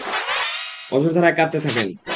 অঝোরধারায় কাঁদতে থাকতেন।